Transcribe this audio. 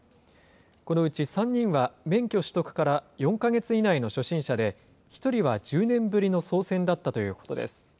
このうち３人は、免許取得から４か月以内の初心者で、１人は１０年ぶりの操船だったということです。